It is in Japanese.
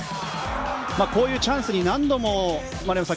こういうチャンスに何度も丸山さん